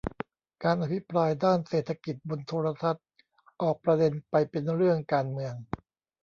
การอภิปรายด้านเศรษฐกิจบนโทรทัศน์ออกประเด็นไปเป็นเรื่องการเมือง